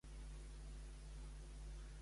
Per què li van fer una pintura Sanzio i Romano?